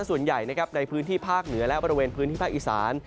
ส่วนใหญ่นะครับในพื้นที่ภาคเหนือและบริเวณพื้นที่ภาคอีสาน